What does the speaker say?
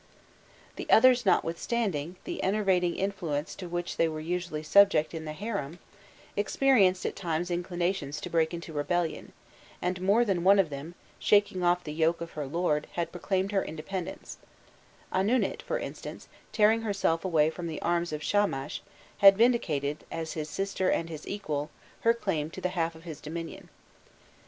The others, notwithstanding the enervating influence to which they were usually subject in the harem, experienced at times inclinations to break into rebellion, and more than one of them, shaking off the yoke of her lord, had proclaimed her independence: Anunit, for instance, tearing herself away from the arms of Shamash, had vindicated, as his sister and his equal, her claim to the half of his dominion.